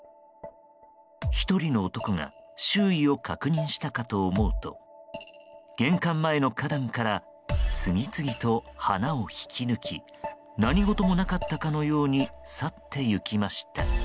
１人の男が周囲を確認したかと思うと玄関前の花壇から次々と花を引き抜き何事もなかったかのように去っていきました。